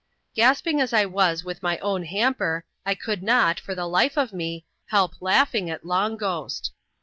Gasping as I was with my own hamper, I could not, for the life of me, help laughing at Long Ghost.